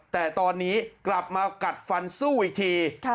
แต่ตอนนี้กลับมากัดฟันสู้อีกที